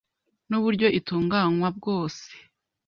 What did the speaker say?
n’uburyo itunganywa bwose